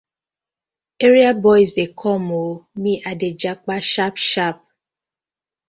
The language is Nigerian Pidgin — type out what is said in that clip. Area boys dey com ooo, me I dey jappa sharp sharp.